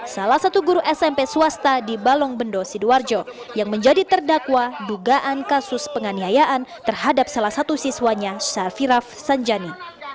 salah satu guru smp swasta di balongbendo sidoarjo yang menjadi terdakwa dugaan kasus penganiayaan terhadap salah satu siswanya syafiraf sanjani